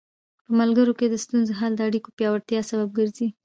په ملګرو کې د ستونزو حل د اړیکو پیاوړتیا سبب ګرځي.